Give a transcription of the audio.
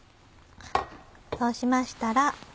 そうしましたら。